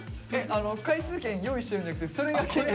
回数券用意してるんじゃなくてそれが券なの？